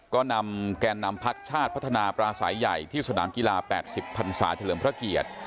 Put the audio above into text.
ก็นำแกนนำพักชาติพัฒนาปราศัยใหญ่ที่สนามกีฬา๘๐พันศาเฉลิมพระเกียรติ